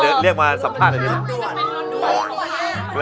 เดินเรียกมาสัมภาษณ์อีกนิดหนึ่ง